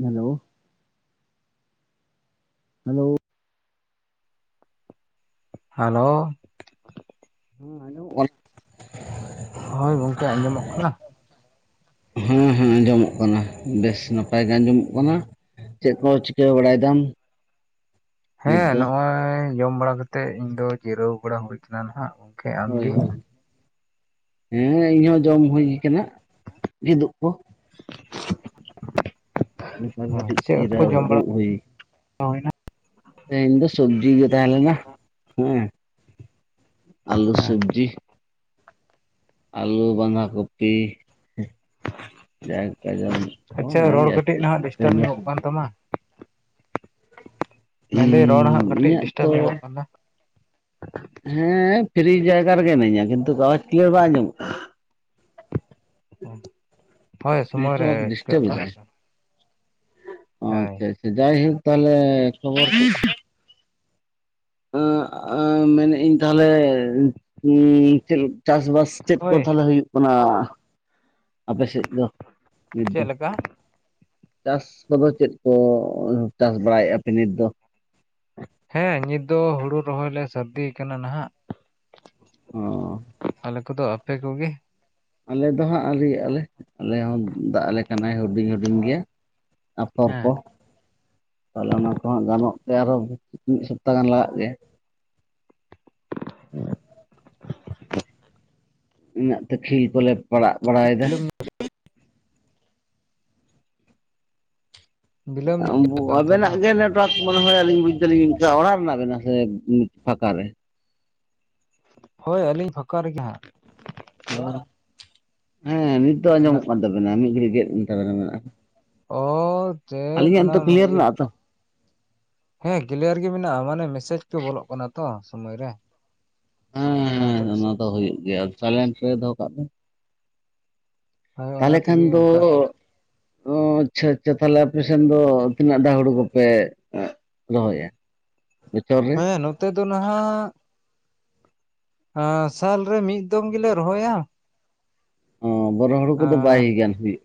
Hello hello hello ᱦᱩᱸ ᱟᱸᱡᱚᱢᱚᱜ ᱠᱟᱱᱟ ᱾ ᱦᱳᱭ ᱜᱚᱝᱠᱮ ᱟᱸᱡᱚᱢᱚᱜ ᱠᱟᱱᱟ ᱾ ᱦᱮᱸ ᱦᱮᱸ ᱟᱸᱡᱚᱢᱚᱜ ᱠᱟᱱᱟ ᱵᱮᱥ ᱱᱟᱯᱟᱭ ᱜᱮ ᱟᱸᱡᱚᱢᱚᱜ ᱠᱟᱱᱟ ᱾ ᱪᱮᱫ ᱠᱚ ᱪᱤᱠᱟᱹ ᱵᱟᱲᱟᱭ ᱫᱟᱢ? ᱱᱤᱛ ᱦᱮᱸ ᱫᱚ ᱱᱚᱜᱼᱚᱭ ᱡᱚᱢ ᱵᱟᱲᱟ ᱠᱟᱛᱮᱜ ᱤᱧ ᱫᱚ ᱡᱤᱨᱟᱹᱣ ᱵᱟᱲᱟ ᱦᱩᱭ ᱠᱟᱱᱟ ᱱᱟᱦᱟᱸᱜ ᱾ ᱦᱳᱭ ᱦᱳᱭ ᱦᱮᱸ ᱤᱧ ᱦᱚᱸ ᱡᱚᱢ ᱦᱩᱭ ᱟᱠᱟᱱᱟ ᱠᱤᱫᱩᱵ ᱠᱚ, [unintelligible] ᱠᱟᱹᱴᱤᱡ ᱡᱤᱨᱟᱹᱣ ᱫᱩᱲᱩᱵ ᱦᱩᱭ ᱳᱭᱻ ᱱᱟ ᱾ ᱛᱮᱦᱮᱧ ᱫᱚ ᱥᱚᱵᱡᱤ ᱜᱮ ᱛᱟᱦᱮᱸ ᱞᱮᱱᱟ ᱦᱮᱸ ᱟᱹᱞᱩ ᱦᱮᱸ ᱥᱚᱵᱡᱤ ᱾ ᱟᱞᱩ ᱵᱟᱱᱫᱟ ᱠᱩᱯᱤ ᱾ ᱡᱟᱠᱟ ᱡᱚᱢ ᱠᱚ ᱟᱪᱪᱷᱟ ᱞᱮᱭ ᱨᱚᱲ ᱟᱨ ᱠᱟᱹᱴᱤᱡ ᱪᱮᱫ ᱱᱟᱦᱟᱜ ᱰᱤᱥᱴᱟᱵᱽ ᱧᱚᱜᱚᱜ [unintelligible] ᱠᱟᱱ ᱛᱟᱢᱟ ᱢᱮᱱᱫᱟᱹᱧ ᱨᱚᱲ ᱦᱟᱸ ᱠᱟᱹᱴᱤᱡ ᱤᱧᱟᱹᱜ ᱛᱚ ᱰᱤᱥᱴᱟᱵᱽ ᱧᱚᱜᱚᱜ ᱠᱟᱱᱫᱚ ᱾ ᱦᱮᱸ ᱯᱷᱤᱨᱤ ᱡᱟᱭᱜᱟ ᱨᱮᱜᱮ ᱦᱮᱱᱟᱹᱧᱟ ᱠᱤᱱᱛᱩ ᱨᱚᱲ [unintelligible] ᱠᱞᱤᱭᱟᱨ ᱵᱟᱝ ᱟᱡᱚᱢᱚᱜ ᱠᱟᱱ ᱯᱷᱚᱭ ᱥᱚᱢᱚᱭ ᱨᱮ ᱱᱮᱴᱣᱟᱨᱠ ᱪᱤᱠᱟᱹᱜ ᱰᱤᱥᱴᱟᱵ ᱠᱟᱱᱟ ᱾ ᱚ ᱟᱪᱪᱷᱟ ᱟᱪᱪᱷᱟ ᱡᱟᱭᱦᱳᱠ ᱛᱟᱦᱞᱮ ᱠᱷᱚᱵᱚᱨ ᱛᱮᱫ ᱾ ᱟᱸ ᱟᱸ ᱢᱮᱱᱮᱫ ᱟᱹᱧ ᱛᱟᱦᱚᱞᱮ ᱪᱮᱫ ᱪᱟᱥ ᱵᱟᱥ? ᱪᱮᱫ ᱠᱚ ᱦᱳᱭ ᱛᱟᱦᱚᱞᱮ ᱦᱩᱭᱩᱜ ᱠᱟᱱᱟ ᱟᱯᱮ ᱥᱮᱫ ᱫᱚ ᱱᱤᱛ ᱫᱚ? ᱪᱮᱫ ᱞᱮᱠᱟ? ᱪᱟᱥ ᱠᱚᱫᱚ ᱪᱮᱫ ᱠᱚ ᱪᱟᱥ ᱵᱟᱲᱟᱭ ᱟᱯᱮ ᱱᱤᱛ ᱫᱚ? ᱦᱮᱸ ᱱᱤᱛ ᱫᱚ ᱦᱩᱲᱩ ᱨᱚᱦᱚᱭ ᱞᱮ ᱥᱟᱹᱨᱫᱤᱭᱟ ᱠᱟᱱᱟ ᱱᱟᱦᱟᱜ ᱾ ᱚ ᱟᱞᱮ ᱠᱚᱫᱚ ᱟᱯᱮ ᱠᱚᱜᱮ ᱾ ᱟᱞᱮ ᱫᱚᱦᱟᱸᱜ ᱟᱣᱨᱤᱭᱟᱞᱮ ᱟᱞᱮ ᱦᱚᱸ ᱫᱟ ᱟᱞᱮ ᱠᱟᱱᱟᱭ ᱦᱩᱰᱤᱧ ᱦᱩᱰᱤᱧ ᱜᱮᱭᱟ ᱾ ᱟᱯᱷᱚᱨ ᱦᱮᱸ ᱠᱚ ᱾ ᱛᱟᱦᱚᱞᱮ ᱚᱱᱟ ᱠᱚᱦᱚᱸ ᱜᱟᱱᱚᱜ ᱛᱮ ᱟᱨᱦᱚᱸ ᱢᱤᱫ ᱥᱚᱯᱛᱟ ᱜᱟᱱ ᱞᱟᱜᱟᱜ ᱜᱮᱭᱟ ᱾ ᱤᱱᱟᱹᱛᱮ ᱠᱷᱤᱞ ᱠᱚᱞᱮ ᱯᱟᱲᱟᱜ ᱵᱟᱲᱟᱭᱮ ᱫᱟ ᱾ ᱵᱤᱞᱚᱢ ᱵᱤᱞᱚᱢ ᱧᱚᱜ ᱩᱱᱵᱳ ᱜᱮᱭᱟ ᱯᱮ ᱚᱱᱛᱮ ᱫᱚ ᱟᱵᱮᱱᱟᱜ ᱜᱮ ᱞᱮ ᱛᱳᱲᱟᱥ ᱢᱟᱱᱮ ᱦᱳᱭ ᱟᱹᱞᱤᱧ ᱵᱩᱡ ᱫᱟᱹᱞᱤᱧ ᱚᱲᱟᱜ ᱨᱮᱱᱟᱜ ᱠᱟᱱᱟ ᱥᱮ ᱯᱷᱟᱸᱠᱟ ᱨᱮ? ᱦᱳᱭ ᱟᱹᱞᱤᱧ ᱯᱷᱟᱸᱠᱟ ᱨᱮᱜᱮ ᱦᱟᱸᱜ ᱾ ᱦᱮᱸ ᱱᱤᱛ ᱫᱚ ᱟᱸᱡᱚᱢᱚᱜ ᱠᱟᱱ ᱛᱟᱵᱮᱱᱟ ᱢᱤᱫ ᱜᱷᱟᱹᱲᱤᱡ ᱜᱮᱫ [unintelligible] ᱚ ᱪᱮᱫ ᱟᱹᱞᱤᱧᱟᱜ ᱚᱱᱟ ᱱᱤᱛᱚᱜ ᱚᱱᱟ ᱠᱞᱤᱭᱟᱨ ᱤᱭᱟᱹ ᱢᱮᱱᱟᱜᱼᱟ ᱾ ᱛᱚ ᱦᱮᱸ ᱠᱤᱞᱤᱭᱟᱨ ᱜᱮ ᱢᱮᱱᱟᱜᱼᱟ ᱢᱟᱱᱮ ᱢᱮᱥᱮᱡᱽ ᱛᱚ ᱵᱚᱞᱚᱜ ᱠᱟᱱᱟ ᱛᱚ ᱥᱚᱢᱚᱭ ᱨᱮ ᱾ ᱦᱮᱸ ᱦᱮᱸ ᱚᱱᱟ ᱫᱚ ᱦᱳᱭᱳᱜ ᱜᱮᱭᱟ ᱥᱟᱭᱞᱮᱱᱴ ᱨᱮ ᱫᱚᱦᱚ ᱠᱟᱜ ᱵᱤᱱ ᱾ ᱦᱳᱭ ᱚᱱᱟ ᱛᱟᱦᱚᱞᱮ ᱠᱷᱟᱱ ᱛᱮᱜᱮ ᱫᱚ ᱚᱱᱠᱟ ᱾ ᱚᱸ ᱟᱪᱪᱷᱟ ᱟᱪᱪᱷᱟ ᱛᱟᱦᱚᱞᱮ ᱟᱯᱮᱥᱮᱱ ᱫᱚ ᱛᱤᱱᱟᱹᱜ ᱰᱟᱣ ᱦᱳᱲᱩ ᱠᱚᱯᱮ? ᱫᱚᱦᱚᱭ ᱟ ᱾ ᱦᱮᱸ ᱱᱚᱸ ᱱᱚᱛᱮ ᱫᱚ ᱱᱟᱦᱟᱜ ᱥᱟᱞ ᱨᱮ ᱢᱤᱫ ᱫᱚᱢ ᱜᱮᱞᱮ ᱨᱚᱦᱚᱭᱟ ᱾ ᱚᱸ ᱵᱚᱨᱚ ᱦᱳᱲᱩ ᱠᱚᱫᱚ ᱟᱸ ᱵᱟᱭ ᱜᱟᱱ ᱦᱩᱭᱩᱜ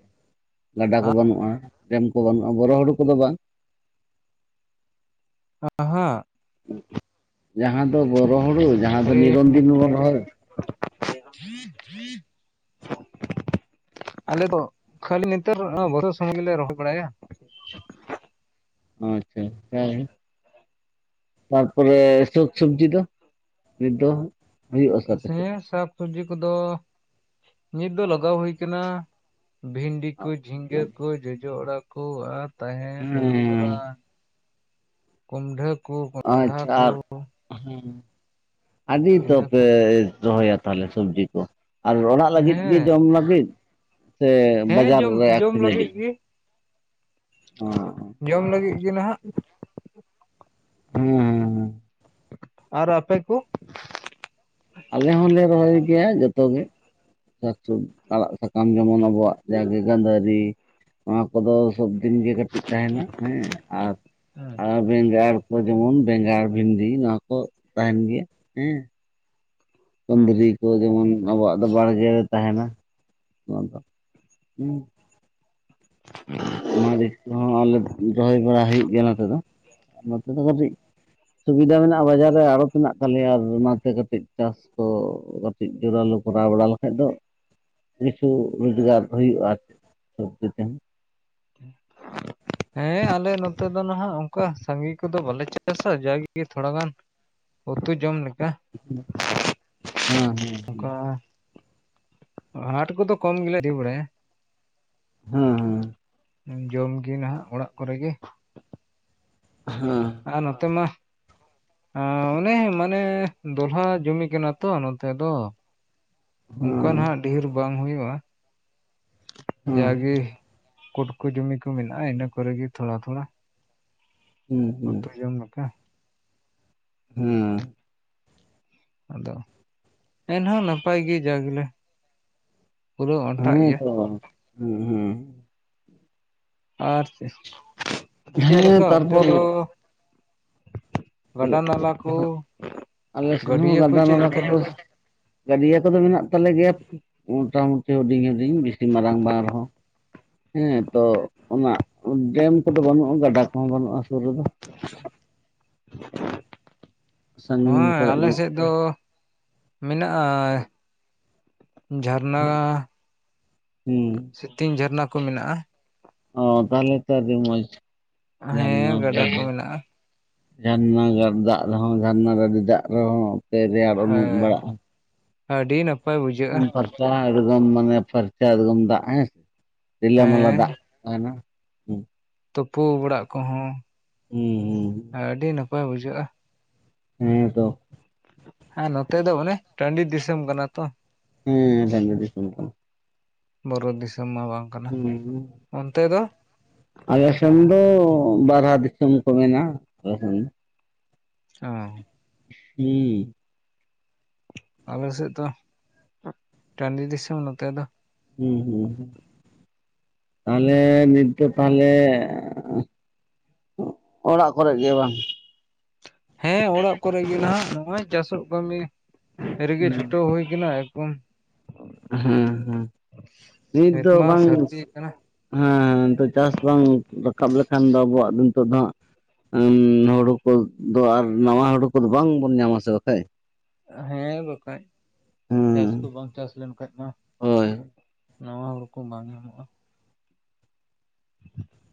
ᱜᱟᱰᱟ ᱠᱚ ᱵᱟᱹᱱᱩᱜ ᱟ ᱰᱮᱢ ᱠᱚ ᱵᱟᱹᱱᱩᱜ ᱟ ᱵᱚᱨᱚ ᱦᱳᱲᱳ ᱠᱚᱫᱚ ᱵᱟᱝ ᱾ ᱟᱸᱜ ᱦᱟᱸᱜ ᱾ ᱡᱟᱦᱟᱸ ᱫᱚ ᱵᱚᱨᱚ ᱦᱳᱲᱩ ᱡᱟᱦᱟᱸ ᱫᱚ ᱱᱤᱨᱚᱱᱫᱤᱱ ᱵᱚᱱ ᱨᱚᱦᱚᱭᱟ ᱾ [unintelligible] ᱟᱞᱮ ᱫᱚ ᱠᱷᱟᱹᱞᱤ ᱱᱮᱛᱟᱨ ᱵᱚᱨᱚ ᱥᱚᱢᱚᱭ ᱜᱮᱞᱮ ᱨᱚᱦᱚᱭ ᱵᱟᱲᱟᱭᱟ ᱾ ᱟᱪᱪᱷᱟ ᱦᱮᱸ ᱾ ᱛᱟᱨᱯᱚᱨᱮ ᱥᱳᱠ ᱥᱚᱵᱡᱤ ᱫᱚ ᱱᱤᱛ ᱫᱚ ᱾ ᱥᱮᱸ ᱥᱟᱯ ᱥᱚᱵᱽᱡᱤ ᱠᱚᱫᱚ ᱱᱤᱛ ᱫᱚ ᱞᱟᱜᱟᱣ ᱦᱩᱭ ᱠᱟᱱᱟ ᱾ ᱵᱷᱤᱱᱰᱤ ᱠᱳ ᱡᱷᱤᱸᱜᱟᱹ ᱠᱳ ᱡᱚᱡᱚ ᱚᱲᱟᱜ ᱠᱳ ᱟᱨ ᱾ ᱛᱟᱦᱮᱱ ᱜᱷᱟᱝᱜᱨᱟ ᱦᱮᱸ ᱠᱩᱢᱰᱷᱟᱹᱵ ᱾ ᱟᱪᱪᱷᱟ ᱟᱨ ᱦᱩᱸ ᱦᱩᱸ ᱟᱹᱰᱤ ᱤᱱᱟᱹ ᱛᱚᱯᱮ ᱠᱚ ᱨᱚᱦᱚᱭᱟ ᱾ ᱛᱟᱦᱚᱞᱮ ᱥᱚᱵᱡᱤ ᱠᱚ ᱟᱨ ᱚᱲᱟᱜ ᱞᱟᱹᱜᱤᱫ ᱜᱮ ᱦᱮᱸ ᱡᱚᱢ ᱞᱟᱹᱜᱤᱫ ᱾ ᱦᱮᱸ ᱡᱚᱢ ᱡᱚᱢ ᱞᱟᱹᱜᱤᱫ ᱜᱮ ᱚ ᱦᱮᱸ ᱾ ᱡᱚᱢ ᱞᱟᱹᱜᱤᱫ ᱜᱮ ᱱᱟᱦᱟᱜ ᱾ ᱦᱩᱸ ᱟᱨ ᱟᱯᱮ ᱠᱳ ᱾ ᱟᱞᱮ ᱦᱚᱞᱮ ᱨᱚᱦᱚᱭ ᱜᱮᱭᱟ ᱡᱚᱛᱚ ᱜᱮ ᱾ [unintelligible] ᱟᱲᱟᱜ ᱥᱟᱠᱟᱢ ᱡᱮᱢᱚᱱ ᱟᱵᱚᱣᱟᱜ ᱡᱟᱜᱮ ᱜᱟᱱᱫᱟᱹᱨᱤ ᱱᱚᱣᱟ ᱠᱚᱫᱚ ᱥᱚᱵᱫᱤᱱᱜᱮ ᱠᱟᱹᱴᱤᱡ ᱛᱟᱦᱮᱱᱟ ᱦᱮᱸ ᱟᱨ ᱟᱨ ᱵᱮᱝᱜᱟᱲ ᱠᱚ ᱡᱮᱢᱚᱱ ᱵᱮᱝᱜᱟᱲ ᱵᱷᱤᱱᱰᱤ ᱱᱚᱣᱟ ᱠᱚ ᱛᱟᱦᱮᱱ ᱜᱮᱭᱟ ᱦᱮᱸ ᱾ ᱦᱮᱸ ᱠᱩᱱᱫᱨᱤ ᱠᱚ ᱡᱮᱢᱚᱱ ᱟᱵᱚᱣᱟᱜ ᱫᱚ ᱵᱟᱲᱜᱮ ᱨᱮ ᱛᱟᱦᱮᱱᱟ ᱱᱚᱣᱟ ᱫᱚ ᱦᱸ ᱢᱟᱹᱨᱤᱪ ᱠᱚᱦᱚᱸ ᱟᱞᱮ ᱨᱚᱦᱚᱭ ᱵᱟᱲᱟ ᱦᱩᱭᱩᱜ ᱜᱮᱭᱟ ᱱᱚᱛᱮ ᱫᱚ ᱱᱚᱛᱮ ᱫᱚ ᱠᱟᱹᱴᱤᱡ ᱥᱩᱵᱤᱫᱟ ᱢᱮᱱᱟᱜᱼᱟ ᱵᱟᱡᱟᱨ ᱨᱮ ᱟᱲᱚᱛ ᱢᱮᱱᱟᱜ ᱛᱟᱞᱮᱭᱟ ᱟᱨ ᱚᱱᱟᱛᱮ ᱠᱟᱹᱴᱤᱡ ᱪᱟᱥ ᱠᱚ ᱠᱟᱹᱴᱤᱡ ᱡᱚᱨᱟᱞ ᱠᱚᱨᱟᱣ ᱵᱟᱲᱟ ᱞᱮᱠᱷᱟᱡ ᱫᱚ ᱠᱤᱪᱷᱩ ᱨᱳᱡᱽᱜᱟᱨ ᱦᱩᱭᱩᱜᱼᱟ ᱥᱚᱵᱡᱤ ᱛᱮᱦᱚᱸ [unintelligible] ᱦᱮᱸ ᱟᱞᱮ ᱱᱚᱛᱮ ᱫᱚ ᱱᱟᱦᱟᱜ ᱚᱱᱠᱟ ᱥᱟᱸᱜᱤ ᱠᱚᱫᱚ ᱵᱟᱞᱮ ᱪᱟᱥᱟ ᱡᱟᱜᱮ ᱛᱷᱚᱲᱟ ᱜᱟᱱ ᱩᱛᱩ ᱡᱚᱢ ᱞᱮᱠᱟ ᱦᱮᱸ ᱦᱮᱸ ᱦᱮᱸ ᱚᱱᱠᱟ ᱦᱟᱴ ᱠᱚᱫᱚ ᱠᱚᱢ ᱜᱮᱞᱮ ᱤᱫᱤ ᱵᱟᱲᱟᱭᱟ ᱦᱮᱸ ᱦᱮᱸ ᱡᱚᱢᱜᱮ ᱱᱟᱦᱟᱜ ᱚᱲᱟᱜ ᱠᱚᱨᱮᱜᱮ ᱦᱮᱸ ᱟᱨ ᱱᱚᱛᱮ ᱢᱟ ᱚᱱᱮ ᱢᱟᱱᱮ ᱫᱚᱞᱦᱟ ᱡᱚᱢᱤ ᱠᱟᱱᱟ ᱛᱚ ᱱᱚᱛᱮ ᱫᱚ ᱚᱱᱠᱟ ᱱᱟᱦᱟᱜ ᱦᱮᱸ ᱰᱷᱮᱨ ᱵᱟᱝ ᱦᱩᱭᱩᱜᱼᱟ ᱡᱟᱜᱮ ᱠᱳᱴ ᱠᱚ ᱡᱩᱢᱤ ᱠᱚ ᱢᱮᱱᱟᱜᱼᱟ ᱤᱱᱟᱹ ᱠᱚᱨᱮ ᱜᱮ ᱛᱷᱚᱲᱟ ᱛᱷᱚᱲᱟ ᱦᱮᱸ ᱦᱮᱸ ᱩᱛᱩ ᱡᱚᱢ ᱞᱮᱠᱟ ᱦᱩᱸ ᱟᱫᱚ ᱮᱱᱦᱚᱸ ᱱᱟᱯᱟᱭ ᱜᱮ ᱡᱟ ᱜᱮᱞᱮ ᱯᱩᱨᱟᱹᱣ ᱚᱱᱴᱟᱜ ᱦᱮᱸ ᱜᱮᱭᱟ ᱛᱚ ᱦᱩᱸ ᱦᱮᱸ ᱟᱨ ᱪᱮ ᱪᱮᱫ ᱦᱮᱸ ᱞᱮᱠᱟ ᱚᱱᱛᱮ ᱛᱟᱨᱯᱚᱨ ᱫᱚ ᱜᱟᱰᱟ ᱱᱟᱞᱟ ᱠᱚ ᱟᱞᱮ ᱥᱮᱱ ᱦᱚᱸ ᱜᱟᱹᱰᱭᱟᱹ ᱠᱚ ᱜᱟᱰᱟ ᱪᱮᱫ ᱱᱟᱠᱟ ᱞᱮᱠᱟ ᱠᱚᱫᱚ ᱢᱮᱱᱟᱜᱼᱟ? ᱜᱟᱹᱰᱭᱟᱹ ᱠᱚᱫᱚ ᱢᱮᱱᱟᱜ ᱛᱟᱞᱮ ᱜᱮᱭᱟ ᱢᱳᱴᱟ ᱢᱩᱴᱤ ᱦᱩᱰᱤᱧ ᱦᱩᱰᱤᱧ ᱵᱤᱥᱤ ᱢᱟᱨᱟᱝ ᱵᱟᱝ ᱨᱮᱦᱚᱸ ᱦᱮᱸ ᱛᱚ ᱚᱱᱟ ᱰᱮᱢ ᱠᱚᱫᱚ ᱵᱟᱹᱱᱩᱜᱼᱟ ᱜᱟᱰᱟ ᱠᱚᱦᱚᱸ ᱵᱟᱹᱱᱩᱜᱼᱟ ᱥᱩᱨ ᱨᱮᱫᱚ ᱟᱪᱷᱟ ᱥᱟᱺᱜᱤᱧ ᱦᱳᱭ ᱠᱚᱨᱮ ᱟᱞᱮ ᱢᱮᱱᱟᱜ ᱥᱮᱫ ᱫᱚ ᱢᱮᱱᱟᱜᱼᱟ ᱡᱷᱟᱨᱱᱟ ᱦᱩᱸ ᱥᱮᱛᱤᱧ ᱡᱷᱟᱨᱱᱟ ᱠᱚ ᱢᱮᱱᱟᱜᱼᱟ ᱚ ᱛᱟᱦᱟᱞᱮ ᱛᱚ ᱟᱹᱰᱤ ᱢᱚᱡᱽ ᱦᱮᱸ ᱜᱟᱰᱟ ᱠᱚ ᱢᱮᱱᱟᱜᱼᱟ ᱡᱷᱟᱨᱱᱟ ᱜᱟᱲ ᱫᱟᱜ ᱨᱮᱦᱚᱸ ᱡᱷᱟᱨᱱᱟ ᱰᱟᱹᱰᱤ ᱫᱟᱜ ᱨᱮᱦᱚᱸ ᱨᱮᱭᱟᱲ ᱩᱢᱩᱜ ᱵᱟᱲᱟᱜᱼᱟ ᱟᱰᱤ ᱱᱟᱯ ᱩᱢ ᱯᱟᱨᱪᱟ ᱮᱜᱫᱚᱢ ᱢᱟᱱᱮ ᱯᱟᱨᱪᱟ ᱮᱜᱫᱚᱢ ᱫᱟᱜ ᱦᱮᱸ ᱨᱤᱞᱟ ᱢᱟᱞᱟ ᱫᱟᱜ ᱦᱮᱸ ᱛᱟᱦᱮᱱᱟ ᱛᱩᱯᱩ ᱚᱲᱟᱜ ᱠᱚᱦᱚᱸ ᱦᱩᱸ ᱟᱹᱰᱤ ᱱᱟᱯᱟᱭ ᱵᱩᱡᱷᱟᱹᱜᱼᱟ ᱦᱮᱸ ᱛᱚ ᱦᱮᱸ ᱱᱚᱛᱮ ᱫᱚ ᱚᱱᱮ ᱴᱟᱺᱰᱤ ᱫᱤᱥᱚᱢ ᱠᱟᱱᱟ ᱛᱚ ᱦᱮᱸ ᱴᱟᱺᱰᱤ ᱫᱤᱥᱚᱢ ᱠᱟᱱᱟ ᱵᱩᱨᱚ ᱫᱤᱥᱚᱢ ᱢᱟ ᱵᱟᱝ ᱠᱟᱱᱟ ᱦᱩᱸ ᱚᱱᱛᱮ ᱫᱚ ᱟᱞᱮ ᱥᱮᱱ ᱫᱚ ᱵᱟᱨᱦᱟ ᱫᱤᱥᱚᱢ ᱠᱚ ᱢᱮᱱᱟ [unintelligible] ᱚ ᱦᱩᱸ ᱟᱯᱮ ᱥᱮᱫ ᱫᱚ ᱴᱟᱺᱰᱤ ᱫᱤᱥᱚᱢ ᱱᱚᱛᱮ ᱫᱚ ᱦᱩᱸ ᱦᱩᱸ ᱦᱩᱸ ᱟᱞᱮ ᱱᱤᱛ ᱫᱚ ᱛᱟᱦᱟᱞᱮ ᱚᱲᱟᱜ ᱠᱚᱨᱮ ᱜᱮ ᱵᱟᱝ ᱦᱮᱸ ᱚᱲᱟᱜ ᱠᱚᱨᱮ ᱜᱮ ᱱᱟᱦᱟᱜ ᱱᱚᱜᱼᱚᱭ ᱪᱟᱥᱚᱜ ᱠᱟᱹᱢᱤ ᱮᱨᱜᱮ ᱪᱷᱩᱴᱟᱹᱣ ᱦᱩᱭ ᱠᱟᱱᱟ ᱮᱠᱚᱢ ᱦᱮᱸ ᱦᱮᱸ ᱱᱤᱛ ᱱᱮᱛ ᱫᱚ ᱢᱟ ᱵᱟᱝ ᱥᱟᱹᱨᱫᱤ ᱟᱠᱟᱱᱟ ᱦᱮᱸ ᱱᱤᱛᱚᱜ ᱪᱟᱥ ᱵᱟᱝ ᱨᱟᱠᱟᱵ ᱞᱮᱠᱷᱟᱱ ᱫᱚ ᱟᱵᱚᱣᱟᱜ ᱫᱚ ᱱᱤᱛᱚᱜ ᱫᱚ ᱦᱟᱸᱜ ᱦᱩᱸ ᱦᱩᱲᱩ ᱠᱚᱫᱚ ᱟᱨ ᱱᱟᱣᱟ ᱦᱩᱲᱩ ᱠᱚᱫᱚ ᱵᱟᱝᱵᱚᱱ ᱧᱟᱢᱟ ᱥᱮ ᱵᱟᱠᱷᱟᱭ ᱦᱮᱸ ᱵᱟᱠᱷᱟᱭ ᱪᱟᱥ ᱠᱚ ᱦᱮᱸ ᱵᱟᱝ ᱪᱟᱥ ᱞᱮᱱᱠᱷᱟᱭ ᱢᱟ ᱦᱳᱭ ᱱᱟᱶᱟ ᱦᱩᱲᱩ ᱠᱚ ᱵᱟᱝ ᱧᱟᱢᱚᱜᱼᱟ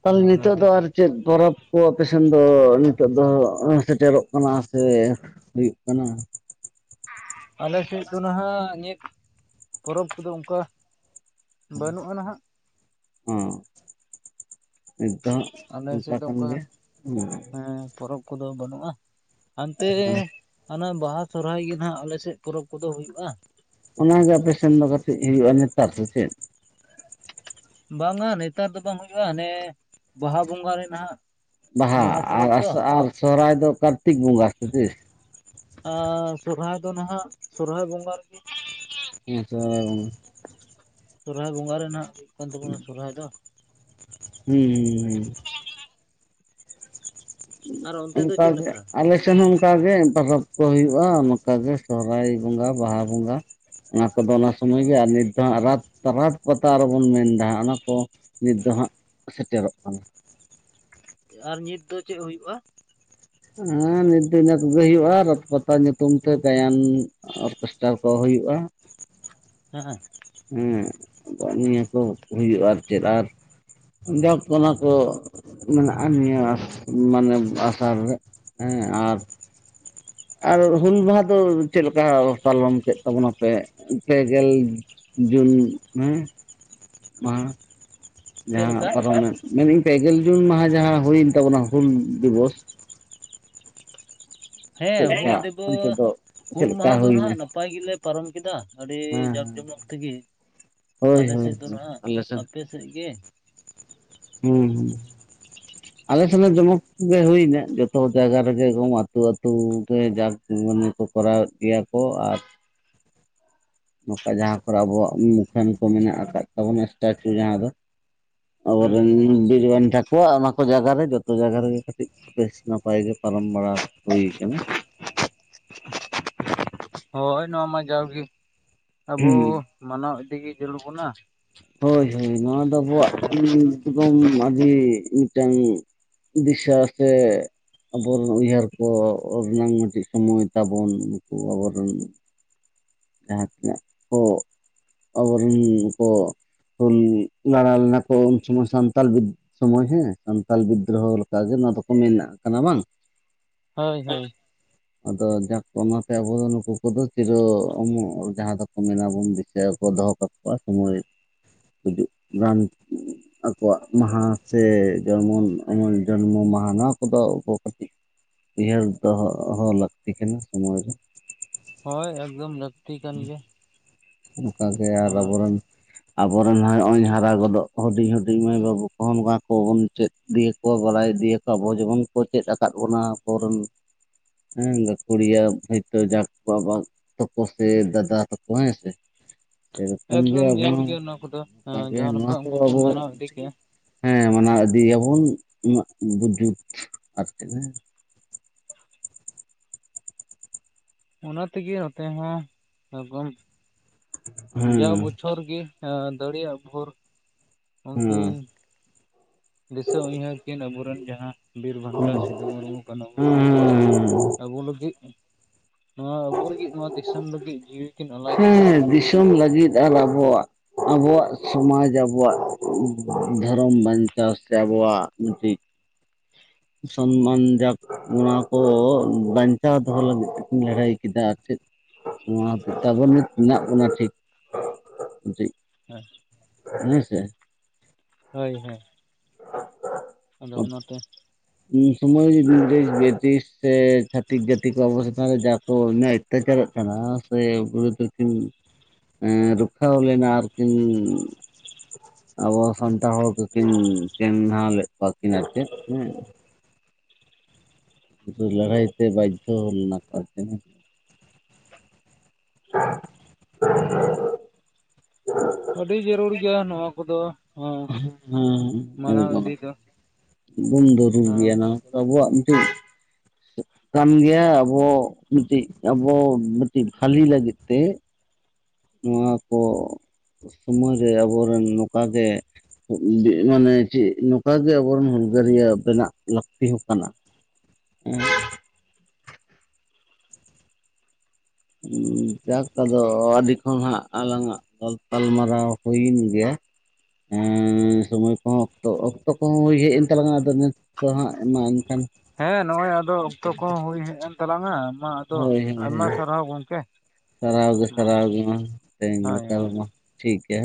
ᱛᱟᱦᱚᱞᱮ ᱟᱫᱚ ᱱᱤᱛᱚᱜ ᱚᱱᱟᱛᱮ ᱫᱚ ᱟᱨ ᱪᱮᱫ ᱯᱚᱨᱚᱵᱽ ᱠᱚ ᱟᱯᱮᱥᱱ ᱫᱚ ᱱᱤᱛᱚᱜ ᱫᱚ ᱥᱮᱴᱮᱨᱚᱜ ᱠᱟᱱᱟ ᱥᱮ ᱦᱩᱭᱩᱜ ᱠᱟᱱᱟ ᱟᱞᱮ ᱥᱮᱫ ᱫᱚ ᱦᱟᱸᱜ ᱱᱤᱛ ᱯᱚᱨᱚᱵᱽ ᱠᱚᱫᱚ ᱚᱱᱠᱟ ᱵᱟᱹᱱᱩᱜᱼᱟ ᱱᱟᱦᱟᱜ ᱦᱚᱸ ᱱᱤᱛ ᱫᱚ ᱟᱞᱮ ᱚᱱᱠᱟ ᱥᱮᱫ ᱫᱚ ᱠᱟᱱ ᱜᱮ ᱦᱮᱸ ᱯᱚᱨᱚᱵᱽ ᱠᱚᱫᱚ ᱵᱟᱹᱱᱩᱜᱼᱟ ᱦᱟᱱᱛᱮ ᱦᱟᱱᱟ ᱵᱟᱦᱟ ᱥᱚᱨᱚᱦᱟᱭ ᱜᱮ ᱱᱟᱦᱟᱜ ᱟᱞᱮᱥᱮᱫ ᱯᱚᱨᱚᱵᱽ ᱠᱚᱫᱚ ᱦᱩᱭᱩᱜᱼᱟ ᱚᱱᱟᱜᱮ ᱟᱯᱮᱥᱮᱱ ᱫᱚ ᱠᱟᱹᱴᱤᱡ ᱦᱩᱭᱩᱜᱼᱟ ᱱᱮᱛᱟᱨ ᱫᱚ ᱥᱮ ᱪᱮᱫ ᱵᱟᱝᱼᱟ ᱱᱮᱛᱟᱨ ᱫᱚ ᱵᱟᱝ ᱦᱩᱭᱩᱜᱼᱟ ᱦᱟᱱᱮ ᱵᱟᱦᱟ ᱵᱚᱸᱜᱟ ᱨᱮ ᱱᱟᱦᱟᱜ ᱵᱟᱦᱟ ᱟᱨ ᱯᱚᱨᱚᱵᱽ ᱫᱚ ᱟᱥᱟ ᱥᱚᱦᱟᱨᱟᱭ ᱫᱚ ᱠᱟᱨᱛᱤᱠ ᱵᱚᱸᱜᱟ ᱥᱮ ᱛᱤᱥ ᱟᱨ ᱥᱚᱨᱚᱦᱟᱭ ᱫᱚ ᱱᱟᱦᱜ ᱥᱚᱨᱚᱦᱟᱭ ᱵᱚᱸᱜᱟ ᱨᱮᱜᱮ ᱦᱮᱸ ᱥᱚᱦᱚᱨᱟᱭ ᱵᱚᱜᱟ ᱥᱚᱨᱦᱟᱭ ᱵᱚᱸᱜᱟ ᱨᱮᱱᱟᱜ ᱠᱟᱱ ᱛᱟᱵᱚᱱᱟ ᱥᱚᱨᱦᱟᱭ ᱫᱚ ᱦᱩᱸ ᱦ ᱦᱩᱸ ᱟᱨ ᱚᱱᱛᱮ ᱫᱚ ᱚᱱᱠᱟ ᱪᱮᱫ ᱜᱮ ᱞᱮᱠᱟ ᱟᱞᱮ ᱴᱮᱱ ᱦᱚᱸ ᱚᱱᱠᱟᱜᱮ ᱯᱚᱨᱚᱵᱽ ᱠᱚ ᱦᱩᱭᱩᱜᱼᱟ ᱚᱱᱠᱟ ᱜᱮ ᱥᱚᱦᱨᱟᱭ ᱵᱚᱸᱜᱟ ᱵᱟᱦᱟ ᱵᱚᱸᱜᱟ ᱚᱱᱟ ᱠᱚᱫᱚ ᱚᱱᱟ ᱥᱚᱢᱚᱭ ᱜᱮ ᱟᱨ ᱱᱤᱛ ᱫᱚ ᱦᱟᱸᱜ ᱨᱟᱛ ᱨᱟᱛ ᱯᱟᱛᱟ ᱨᱮᱵᱚᱱ ᱢᱮᱱᱫᱟ ᱚᱱᱟ ᱠᱚ ᱱᱤᱛ ᱫᱚ ᱦᱟᱸᱜ ᱥᱮᱴᱮᱨᱚᱜ ᱠᱟᱱᱟ᱾ ᱟᱨ ᱱᱤᱛ ᱫᱚ ᱪᱮᱫ ᱦᱩᱭᱩᱜᱼᱟ? ᱦᱮᱸ ᱱᱤᱛ ᱫᱚ ᱤᱱᱟᱹ ᱠᱚᱜᱮ ᱦᱩᱭᱩᱜᱼᱟ ᱨᱚᱛ ᱯᱟᱛᱟ ᱧᱩᱛᱩᱢ ᱛᱮ ᱛᱟᱭᱟᱱ ᱚᱨᱠᱮᱥᱴᱟᱨ ᱠᱚ ᱦᱩᱭᱩᱜᱼᱟ᱾ ᱟᱸᱦᱟᱸᱜ ᱦᱩᱸ ᱱᱤᱭᱟᱹ ᱠᱚ ᱦᱩᱭᱩᱜᱼᱟ ᱟᱨ ᱪᱮᱫ ᱟᱨ ᱡᱟᱠ ᱚᱱᱟ ᱠᱚ ᱢᱮᱱᱟᱜᱼᱟ ᱱᱤᱭᱟᱹ ᱢᱟᱱᱮ ᱟᱥᱟᱲ ᱨᱮ ᱦᱮᱸ ᱟᱨ ᱟᱨ ᱦᱩᱞ ᱢᱟᱦᱟ ᱫᱚ ᱪᱮᱫ ᱞᱮᱠᱟ ᱯᱟᱞᱚᱱ ᱠᱮᱫ ᱛᱟᱵᱚᱱᱟᱯᱮ? ᱯᱮ ᱜᱮᱞ ᱡᱩᱱ ᱦᱮᱸ [unintelligible] ᱪᱮᱫ ᱡᱟᱦᱟᱸ ᱞᱮᱠᱟ ᱯᱟᱨᱚᱢᱮᱱ, ᱢᱮᱱᱟᱹᱧ ᱯᱮᱜᱮᱞ ᱡᱩᱱ ᱢᱟᱦᱟ ᱡᱟᱦᱟᱸ ᱦᱩᱭᱮᱱ ᱛᱟᱵᱚᱱᱟ ᱦᱩᱞ ᱫᱤᱵᱚᱥ ᱦᱮᱸ ᱪᱮᱫ ᱦᱩᱞ ᱞᱮᱠᱟ ᱚᱱᱛᱮ ᱫᱤᱵᱚᱥ ᱫᱚ ᱪᱮᱫ ᱦᱩᱞ ᱞᱮᱠᱟ ᱢᱟᱦᱟ ᱫᱚ ᱱᱟᱦᱟᱜ ᱦᱩᱭᱱᱟ ᱱᱟᱯᱟᱭ ᱜᱮᱞᱮ ᱯᱟᱨᱚᱢ ᱠᱮᱫᱟ ᱟᱹᱰᱤ ᱦᱮᱸ ᱡᱟᱠᱼᱡᱚᱢᱚᱠ ᱛᱤᱜᱤ ᱦᱳᱭ ᱦᱳᱭ ᱟᱞᱮᱥᱮᱫ ᱫᱚ ᱱᱟᱦᱟᱜ ᱟᱞᱮ ᱥᱮᱱ ᱟᱯ ᱥᱮᱫ ᱥᱮᱜ ᱜᱮ ᱦᱩᱸ ᱦᱩᱸ ᱟᱞᱮ ᱥᱮᱱᱟᱜ ᱡᱚᱢᱚᱠ ᱜᱮ ᱦᱩᱭ ᱮᱱᱟ ᱡᱚᱛᱚ ᱡᱟᱭᱜᱟ ᱨᱮᱜᱮ ᱮᱚᱢ ᱟᱹᱛᱩ ᱟᱹᱛᱩ ᱜᱮ ᱡᱟᱠ ᱢᱟᱱᱮ ᱠᱚ ᱠᱚᱨᱟᱣᱮᱫ ᱜᱮᱭᱟ ᱠᱚ ᱟᱨ ᱱᱚᱝᱠᱟ ᱡᱟᱦᱟᱸ ᱠᱚᱨᱮ ᱟᱵᱚᱣᱟᱜ ᱢᱩᱠᱷᱟᱹᱱ ᱠᱚ ᱢᱮᱱᱟᱜ ᱟᱠᱟᱫ ᱛᱟᱵᱚᱱᱟ ᱥᱴᱟᱪᱩᱞᱟ ᱡᱟᱦᱟᱸ ᱫᱚ ᱦᱩᱸ ᱟᱵᱚᱨᱮᱱ ᱵᱤᱨᱵᱟᱱᱴᱟ ᱟᱠᱚᱣᱟᱜ ᱚᱱᱟ ᱠᱚ ᱡᱟᱭᱜᱟᱨᱮ ᱡᱚᱛᱚ ᱡᱟᱭᱜᱟ ᱨᱮᱜᱮ ᱠᱟᱹᱴᱤᱡ ᱵᱮᱥ ᱱᱟᱯᱟᱭ ᱜᱮ ᱯᱟᱞᱚᱱ ᱵᱟᱲᱟ ᱦᱩᱭ ᱟᱠᱟᱱᱟ᱾ ᱦᱳᱭ ᱱᱚᱣᱟ ᱢᱟ ᱡᱟᱣᱜᱤ ᱟᱵᱚ ᱢᱟᱱᱟᱣ ᱤᱫᱤᱜᱮ ᱡᱩᱞᱩᱱ ᱵᱚᱱᱟ ᱦᱳᱭ ᱦᱳᱭ ᱱᱚᱣᱟ ᱫᱚ ᱟᱵᱚᱣᱟᱜ [unintelligible] ᱟᱹᱰᱤ ᱢᱤᱫᱴᱟᱝ ᱫᱤᱥᱟ ᱥᱮ ᱟᱵᱚᱨᱮᱱ ᱩᱭᱦᱟᱹᱨ ᱠᱚ [unintelligible] ᱛᱟᱵᱚᱱ [unintelligible] [unintelligible] ᱠᱚ ᱟᱵᱚᱨᱤᱱ ᱠᱚ ᱦᱩᱞ ᱞᱟᱲᱟ ᱞᱮᱱᱟ ᱠᱚ ᱩᱱ ᱥᱚᱢᱚᱭ ᱥᱟᱱᱛᱟᱞ ᱵᱤᱫ ᱥᱚᱢᱚᱭ ᱦᱮᱸ ᱥᱟᱱᱛᱟᱞ ᱵᱤᱫᱽᱫᱨᱳᱦᱚ ᱞᱮᱠᱟᱜᱮ ᱱᱚᱣᱟ ᱫᱚᱠᱚ ᱢᱮᱱᱟᱜ ᱠᱟᱱᱟ ᱵᱟᱝ? ᱦᱳᱭ ᱟᱫᱚ ᱡᱟᱠ ᱚᱱᱟᱛ ᱟᱵᱚ ᱱᱩᱠᱩ ᱠᱚᱫᱚ ᱪᱮᱞᱮ ᱦᱚᱸ ᱩᱢᱚᱜ ᱡᱟᱦᱟᱸ ᱫᱚᱠᱚ ᱢᱮᱱᱟᱵᱚᱱ ᱫᱤᱥᱟᱹ ᱫᱚᱦᱚ ᱠᱟᱠᱚᱣᱟ ᱥᱚᱢᱚᱭ ᱜᱩᱡᱩᱜ ᱨᱟᱱ ᱟᱠᱚᱣᱟᱜ ᱢᱟᱦᱟ ᱥᱮ ᱡᱚᱢᱚᱱ ᱚᱢᱚᱱ ᱡᱚᱱᱢᱚ ᱢᱟᱦᱟ ᱱᱚᱣᱟ ᱠᱚᱫᱚ ᱟᱵᱚ ᱠᱟᱹᱴᱤᱡ ᱩᱭᱦᱟᱹᱨ ᱫᱚᱦᱚᱜ ᱦᱚᱸ ᱞᱟᱹᱠᱛᱤ ᱠᱟᱱᱟ ᱥᱳᱢᱳᱭ ᱨᱮ ᱦᱳᱭ ᱮᱠᱫᱚᱢ ᱞᱟᱹᱠᱛᱤ ᱠᱟᱱ ᱜᱮᱭᱟ᱾ ᱚᱱᱠᱟᱜᱮ ᱟᱨ ᱦᱮᱸ ᱟᱵᱚᱨᱮᱱ ᱟᱵᱚᱨᱮᱱ ᱦᱚᱸᱜᱼᱚᱭ ᱦᱟᱨᱟ ᱜᱚᱫᱚᱜ ᱦᱩᱰᱤᱧ ᱦᱩᱰᱤᱧ ᱢᱟᱹᱭ ᱵᱟᱹᱵᱩ ᱠᱚᱦᱚᱸ ᱱᱚᱣᱟ ᱠᱚᱵᱚᱱ ᱪᱮᱫ ᱤᱫᱤᱭᱟᱠᱚᱣᱟ ᱵᱟᱲᱟᱭ ᱤᱫᱤᱭᱟᱠᱚᱣᱟ ᱟᱵᱚ ᱡᱮᱢᱚᱱ ᱠᱚ ᱪᱮᱫ ᱟᱠᱟᱫ ᱵᱚᱱᱟ ᱟᱵᱚᱨᱮᱱ ᱦᱮᱸ ᱜᱟᱹᱠᱷᱩᱲᱤᱭᱟᱹ ᱦᱤᱛᱚᱜ ᱡᱟᱠ ᱵᱟᱵᱟ ᱛᱟᱠᱚ ᱥᱮ ᱫᱟᱫᱟ ᱛᱟᱠᱚ ᱦᱮᱸ ᱥᱮ ᱥᱮᱨᱚᱠᱚᱢ ᱜᱮ ᱮᱠᱫᱚᱢ ᱟᱵᱚ ᱡᱟᱹᱨᱩᱲ ᱦᱚᱸ ᱜᱮᱭᱟ ᱱᱚᱣᱟ ᱠᱚᱫᱚ ᱱᱚᱝᱠᱟ ᱜᱮ ᱡᱟᱦᱟᱸ ᱱᱚᱣᱟ ᱞᱮᱠᱟ ᱠᱚ ᱩᱱᱠᱩ ᱟᱵᱚ ᱢᱟᱱᱟᱣ ᱤᱫᱤ ᱠᱮᱜᱼᱟ ᱦᱮᱸ ᱢᱟᱱᱟᱣ ᱤᱫᱤᱭᱮᱭᱟᱵᱚᱱ [unintelligible] ᱚᱱᱟ ᱛᱮᱜᱮ ᱱᱚᱛᱮ ᱦᱚᱸ [unintelligible] ᱡᱟ ᱦᱮᱸ ᱵᱚᱪᱷᱚᱨ ᱜᱤ ᱮ ᱫᱟᱲᱮᱭᱟᱜ ᱵᱷᱳᱨ ᱩᱱᱠᱤᱱ ᱫᱤᱥᱟᱹ ᱩᱭᱦᱟᱹᱨ ᱠᱤᱱ ᱟᱵᱩᱨᱤᱱ ᱡᱟᱦᱟᱸ ᱦᱮᱸ ᱵᱤᱨ-ᱵᱷᱟᱱᱴᱟ ᱥᱤᱫᱩ ᱢᱩᱨᱢᱩ ᱠᱟ. ᱱᱩ ᱢᱩᱨᱢᱩ ᱟᱵᱩ ᱞᱟᱹᱜᱤᱫ ᱱᱚᱣᱟ ᱟᱵᱚ ᱞᱟᱹᱜᱤᱫ ᱱᱚᱣᱟ ᱫᱤᱥᱚᱢ ᱞᱟᱹᱜᱤᱫ ᱡᱤᱣᱤ ᱠᱤᱱ ᱟᱞᱟᱭ ᱠᱮᱫᱟ᱾ ᱦᱮᱸ ᱫᱤᱥᱚᱢ ᱞᱟᱹᱜᱤᱫ ᱟᱨ ᱟᱵᱚᱣᱟᱜ ᱟᱵᱚᱣᱟᱜ ᱥᱚᱢᱟᱡᱽ ᱟᱵᱚᱣᱟᱜ ᱫᱷᱟᱨᱚᱢ ᱵᱟᱧᱪᱟᱣ ᱥᱮ ᱟᱵᱚᱣᱟᱜ ᱢᱤᱫᱴᱤᱡ [inaudible] ᱥᱚᱱᱢᱟᱱ ᱡᱟᱠ ᱚᱱᱟ ᱠᱚ ᱵᱟᱧᱪᱟᱣ ᱫᱚᱦᱚ ᱞᱟᱹᱜᱤᱫ ᱛᱮᱠᱤᱱ ᱞᱟᱹᱲᱦᱟᱹᱭ ᱠᱮᱫᱟ ᱟᱨ ᱪᱮᱫ। ᱱᱚᱣᱟ ᱦᱚᱛᱮᱡᱛᱮ ᱟᱵᱚ ᱱᱤᱛ ᱢᱮᱱᱟᱜ ᱵᱚᱱᱟ ᱴᱷᱤᱠ ᱠᱟ. ᱴᱤᱡ ᱦᱮᱸ ᱦᱮᱸ ᱥᱮ। ᱦᱳᱭ ᱦᱳᱭ। [inaudible] ᱟᱫᱚ ᱚᱱᱟᱛᱮ ᱩᱱ ᱥᱚᱢᱚᱭ [unintelligible] ᱥᱮ ᱪᱷᱟᱛᱤᱠ ᱡᱟ. ᱛᱤ ᱠᱚ ᱟᱵᱚ ᱱᱚᱣᱟ ᱫᱚ ᱡᱟ ᱠᱚ ᱩᱱᱟᱹᱭ ᱚᱛᱛᱟᱪᱟᱨᱚᱜ ᱠᱟᱱᱟ ᱥᱮ ᱵᱩᱨᱩ ᱫᱚᱠᱷᱤᱱ ᱦᱮᱸ ᱨᱚᱠᱷᱟᱣ ᱞᱮᱱᱟ ᱟᱨ ᱠᱤᱱ ᱟᱵᱚ ᱥᱟᱱᱛᱟᱲ ᱦᱚᱲ ᱠᱚ ᱠᱤᱱ ᱪᱮᱝᱜᱷᱟᱣ ᱞᱮᱫ ᱠᱚᱣᱟᱠᱤᱱ ᱟᱨ ᱪᱮᱫ ᱦᱮᱸ। ᱞᱟ‌. ᱲᱦᱟ. ᱭ ᱛᱮ ᱵᱟᱫᱫᱷᱚ ᱞᱮᱱᱟ ᱠᱚ ᱟᱨ ᱪᱮᱫ ᱦᱮᱥᱮ [inaudible] ᱟᱹᱰᱤ ᱡᱟᱹᱨᱩᱲ ᱜᱮᱭᱟ ᱱᱚᱣᱟ ᱠᱚᱫᱚ। ᱦᱚᱸ ᱦᱮᱸ ᱦᱮᱸ ᱢᱟᱱᱟᱣ ᱮᱜᱫᱚᱢ ᱤᱫᱤ ᱫᱚ ᱮᱠᱫᱚᱢ ᱡᱩᱨᱩᱨ ᱦᱮᱸ ᱜᱮᱭᱟ ᱱᱚ ᱱᱚᱣᱟ ᱫᱚ ᱟᱵᱚᱣᱟᱜ ᱢᱤᱫᱴᱤᱡ ᱛᱟᱱ ᱜᱮᱭᱟ ᱟᱵᱚ ᱢᱤᱫᱴᱤᱡ ᱟᱵᱚ ᱢᱤᱫᱴᱤᱡ ᱵᱷᱟᱹᱞᱤ ᱞᱟᱹᱜᱤᱫ ᱛᱮ। ᱱᱚᱣᱟ ᱠᱚ ᱥᱚᱢᱚᱭ ᱨᱮ ᱟᱵᱚᱨᱮᱱ ᱱᱚᱠᱟ ᱜᱮ ᱫᱤᱜ ᱢᱟᱱᱮ ᱪᱮᱫ ᱱᱚᱝᱠᱟᱜᱮ ᱟᱵᱚᱨᱮᱱ ᱦᱩᱞᱜᱟᱹᱨᱤᱭᱟᱹ ᱵᱮᱱᱟᱜ ᱞᱟᱹᱠᱛᱤ ᱦᱚᱸ ᱠᱟᱱᱟ। ᱮᱸ ᱡᱟᱠ ᱟᱫᱚ ᱟᱹᱰᱤ ᱠᱷᱚᱱ ᱦᱟᱸᱜ ᱟᱞᱟᱝ ᱟᱜ ᱜᱟᱞ ᱯᱟᱞᱢᱟᱨᱟᱣ ᱦᱩᱭᱮᱱ ᱜᱮᱭᱟ। ᱮ ᱥᱚᱢᱚᱭ ᱠᱚᱦᱚᱸ ᱚᱠᱛᱚ ᱚᱠᱛᱚ ᱠᱚᱦᱚᱸ ᱦᱩᱭ ᱦᱮᱡ ᱮᱱ ᱛᱟᱞᱟᱝ-ᱟ ᱟᱫᱚ ᱱᱤᱛ ᱫᱚ ᱦᱟᱸᱜ ᱢᱟ ᱦᱮᱸ ᱱᱚᱜ-ᱚᱭ ᱟᱫᱚ ᱚᱠᱛᱚ ᱠᱚᱦᱚᱸ ᱦᱩᱭ ᱦᱮᱡ ᱮᱱ ᱛᱟᱞᱟᱝ-ᱟ ᱢᱟ ᱟᱫᱚ ᱦᱳᱭ ᱦᱳᱭ ᱦᱳᱭ ᱟᱭᱢᱟ ᱥᱟᱨᱦᱟᱣ ᱜᱚᱢᱠᱮ। ᱥᱟᱨᱦᱟᱣ ᱜᱮ ᱥᱟᱨᱦᱟᱣ ᱜᱮ ᱢᱟ ᱛᱮᱦᱮᱧ ᱦᱳᱭ ᱞᱮᱠᱟ ᱦᱳᱭ ᱢᱟ ᱴᱷᱤᱠ ᱜᱮᱭᱟ ᱦᱮᱸ।